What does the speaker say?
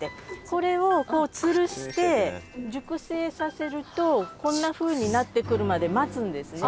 これをつるして熟成させるとこんなふうになってくるまで待つんですね。